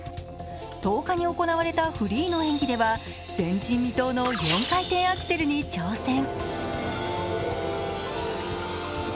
１０日に行われたフリーの演技では前人未踏の４回転アクセルに挑戦。